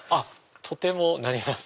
とてもなります。